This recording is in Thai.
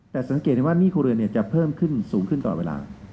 แต่สังเกตได้ว่าหนี้ครัวเรือนจะเพิ่มขึ้นสูงขึ้นตลอดเวลา